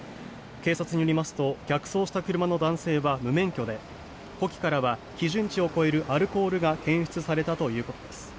警察によりますと逆走した車の男性は無免許で呼気からは基準値を超えるアルコールが検出されたということです。